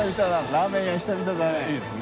ラーメン屋久々だね。